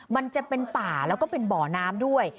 มันจะเป็นป่าแล้วก็เป็นบ่อน้ำด้วย